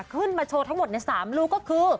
ขึ้นมาโชว์ทั้งหมดใน๓รูก็คือ